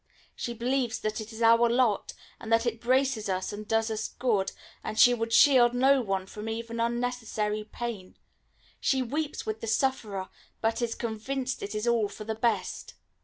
She believes that it is our lot, and that it braces us and does us good, and she would shield no one from even unnecessary pain; she weeps with the sufferer, but is convinced it is all for the best.